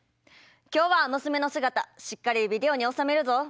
今日は娘の姿しっかりビデオに収めるぞ。